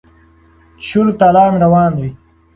چور تالان روان دی.